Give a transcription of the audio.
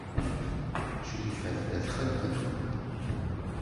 Crifa tella txeddem.